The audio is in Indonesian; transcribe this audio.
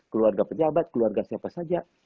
keluarga pejabat keluarga siapa saja